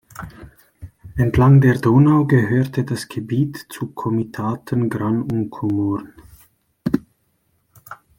Entlang der Donau gehörte das Gebiet zu Komitaten Gran und Komorn.